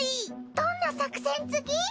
どんな作戦つぎ？